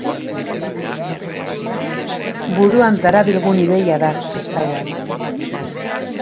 Buruan darabilgun ideia da kristauak.